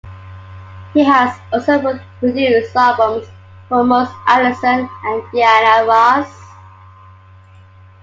He has also produced albums for Mose Allison and Diana Ross.